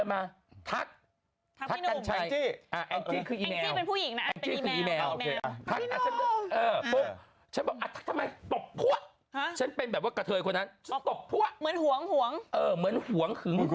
ไม่เข้าใจอะหนูไม่เข้าใจเหมือนกัน